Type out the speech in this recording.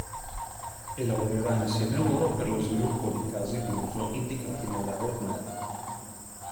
E lavorerà insieme a loro per lo sviluppo di casi d'uso indicati nella roadmap.